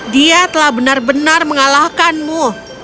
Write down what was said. dia telah benar benar mengalahkanmu